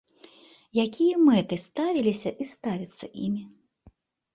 Якія мэты ставіліся і ставяцца імі?